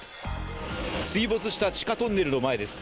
水没した地下トンネルの前です。